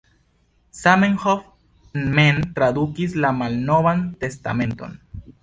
Zamenhof mem tradukis la Malnovan Testamenton.